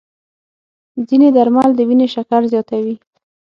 ځینې درمل د وینې شکر زیاتوي.